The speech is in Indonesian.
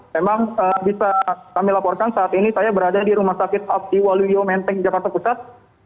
memang bisa kami laporkan saat ini saya berada di rumah sakit abdi waluyo menteng jakarta pusat